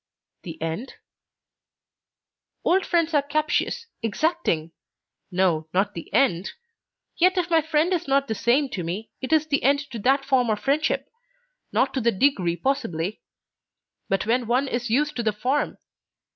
"The end?" "Old friends are captious, exacting. No, not the end. Yet if my friend is not the same to me, it is the end to that form of friendship: not to the degree possibly. But when one is used to the form!